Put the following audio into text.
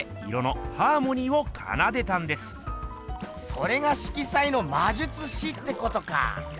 それが色彩のまじゅつしってことか。